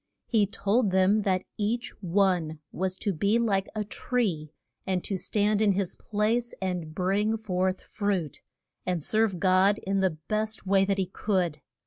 He told them that each one was to be like a tree, and to stand in his place and bring forth fruit, and serve God in the best way that he could.